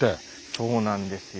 そうなんですよ。